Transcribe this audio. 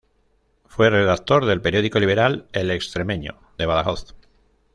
Fue redactor del periódico liberal "El Extremeño" de Badajoz.